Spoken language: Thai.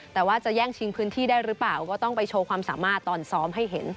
แต่ว่าจะแย่งชิงพื้นที่ได้หรือเปล่าก็ต้องไปโชว์ความสามารถตอนซ้อมให้เห็น